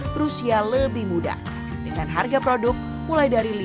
berusia lebih muda dengan harga produk mulai dari